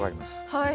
はい。